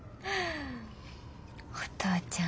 お父ちゃん